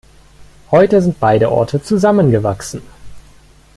Heute sind beide Orte zusammengewachsen.